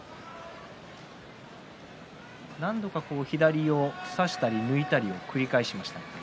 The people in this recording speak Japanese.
何度か左を差したり抜いたりを繰り返しました。